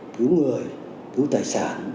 cứu người cứu tài sản